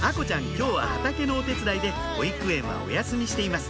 今日は畑のお手伝いで保育園はお休みしています